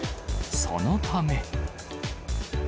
そのため。